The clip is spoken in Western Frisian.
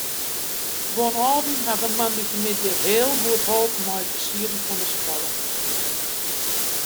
Guon âlden hawwe moandeitemiddei heel goed holpen mei it fersieren fan de skoalle.